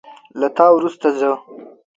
له تا وروسته زه